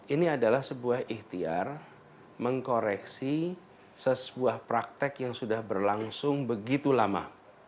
ini adalah sebuah ikhtiar mengkoreksi sebuah praktek yang sudah berlangsung begitu lama